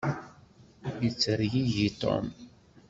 Yettergigi Tom.